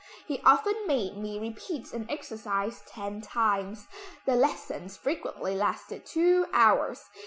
He often made me repeat an exercise ten times. The lessons frequently lasted two hours.